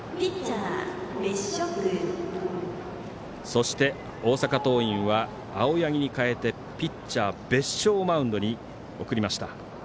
そして大阪桐蔭は青柳に代えてピッチャー、別所をマウンドに送りました。